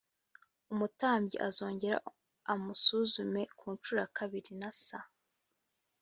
umutambyi azongere amusuzume ku ncuro ya kabiri nasa